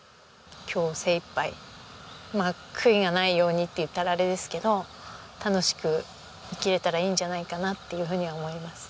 今日を精いっぱいまあ悔いがないようにって言ったらあれですけど楽しく生きれたらいいんじゃないかなっていうふうには思います。